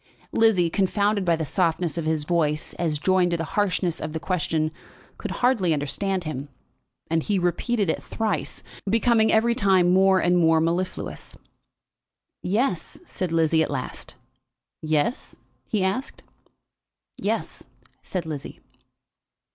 Lizzie, confounded by the softness of his voice as joined to the harshness of the question, could hardly understand him, and he repeated it thrice, becoming every time more and more mellifluous. "Yes," said Lizzie at last. "Yes?" he asked. "Yes," said Lizzie.